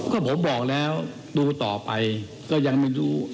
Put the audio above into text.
ก็ผมบอกแล้วดูต่อไปก็ยังไม่รู้